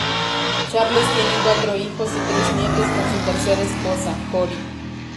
Charles tiene cuatro hijos y tres nietos con su tercera esposa, Cory.